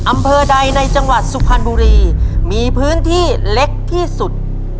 อำเภอใดในจังหวัดสุพรรณบุรีมีพื้นที่เล็กที่สุด